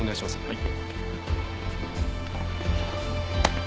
はい。